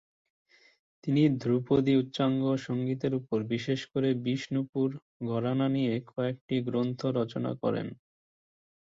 তিনি ধ্রুপদী উচ্চাঙ্গ সঙ্গীতের উপর বিশেষ করে বিষ্ণুপুর ঘরানা নিয়ে কয়েকটি গ্রন্থ রচনা করেন।